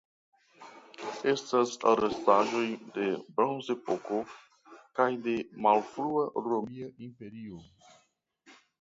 Estas restaĵoj de Bronzepoko kaj de malfrua Romia Imperio.